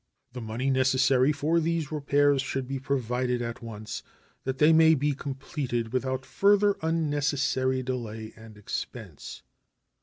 The money necessary for these repairs should be provided at once, that they may be completed without further unnecessary delay and expense.